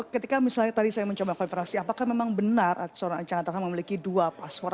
ketika misalnya tadi saya mencoba konfirmasi apakah memang benar archandra memiliki dua paspor